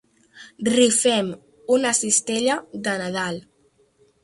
Rifem una cistella de Nadal.